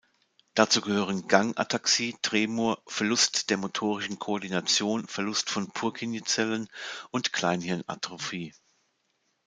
Dazu gehören Gang-Ataxie, Tremor, Verlust der motorischen Koordination, Verlust von Purkinjezellen und Kleinhirn-Atrophie.